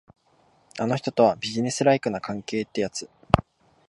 あの人とは、ビジネスライクな関係ってやつ。